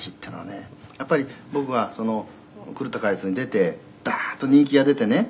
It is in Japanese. やっぱり僕が『狂った果実』に出てダーッと人気が出てね」